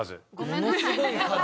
ものすごい数。